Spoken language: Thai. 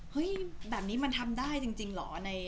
เฮ้ยแบบนี้มันทำได้จริงเหรอ